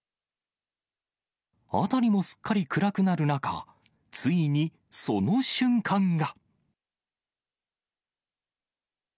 辺りもすっかり暗くなる中、ついにその瞬間が。